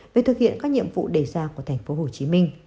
với thực hiện các nhiệm vụ đề ra của tp hcm